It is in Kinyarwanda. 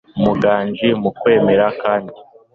umuganji mu kwemera, kandi